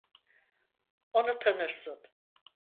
Onu tanırsın.